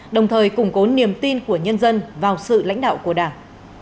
đồng thời củng cố niềm tin của nhân dân vào sự lãnh đạo của đảng